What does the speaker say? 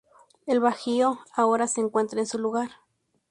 El Bellagio ahora se encuentra en su lugar.